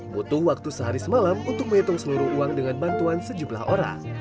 butuh waktu sehari semalam untuk menghitung seluruh uang dengan bantuan sejumlah orang